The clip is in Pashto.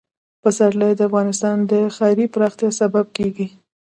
پسرلی د افغانستان د ښاري پراختیا سبب کېږي.